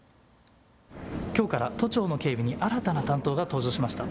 きょうから都庁の警備に新たな担当が登場しました。